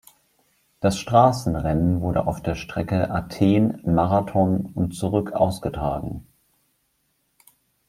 Das Straßenrennen wurde auf der Strecke Athen–Marathon und zurück ausgetragen.